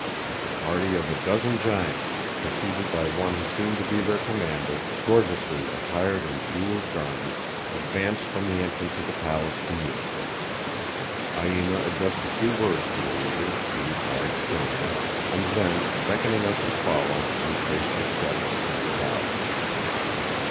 A party of a dozen giants, preceded by one who seemed to be their commander, gorgeously attired in jewelled garments, advanced from the entrance of the palace to meet us. Aina addressed a few words to the leader, who replied sternly, and then, beckoning us to follow, retraced his steps into the palace.